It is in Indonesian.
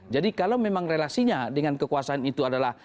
jadi kalau memang relasinya dengan kekuasaan itu adalah